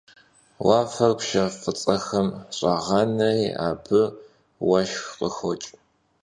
Vuafer pşşe f'ıts'exem ş'ağaneri abı vueşşxır khıxoç'.